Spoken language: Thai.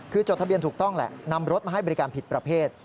คือจดทะเบียนถูกต้องแหละนำรถมาให้บริการผิดประเภท